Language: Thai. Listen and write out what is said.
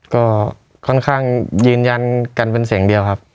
ก็ค่อนข้างยืนยันกันเป็นเสียงเดียวครับ